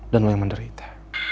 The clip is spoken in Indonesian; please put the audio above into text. dan lo yang menderita